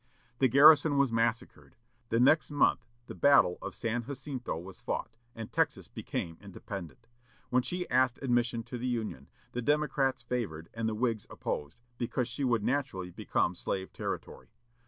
The garrison was massacred. The next month the battle of San Jacinto was fought, and Texas became independent. When she asked admission to the Union, the Democrats favored and the Whigs opposed, because she would naturally become slave territory.